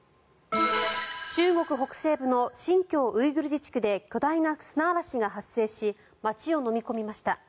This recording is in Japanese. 中国北西部の新疆ウイグル自治区で巨大な砂嵐が発生し街をのみ込みました。